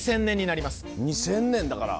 ２０００年だから。